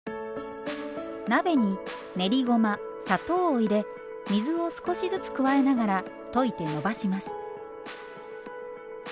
鍋に練りごま砂糖を入れ水を少しずつ加えながら溶いてのばします。